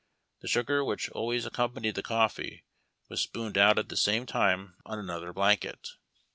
The sugar which always accompanied the coffee was spooned out at the same time on another blaid^et.